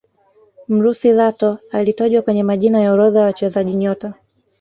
mrusi lato alitajwa kwenye majina ya orodha ya wachezaji nyota